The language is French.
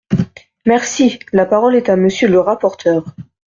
Merci ! La parole est à Monsieur le rapporteur.